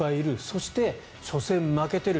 そして、初戦負けてる。